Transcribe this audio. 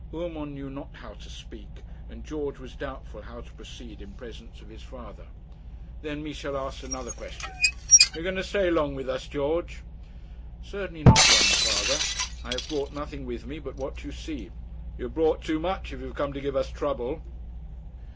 Urmand knew not how to speak, and George was doubtful how to proceed in presence of his father. Then Michel asked another question. 'Are you going to stay long with us, George?' 'Certainly not long, father. I have brought nothing with me but what you see.' 'You have brought too much, if you have come to give us trouble.'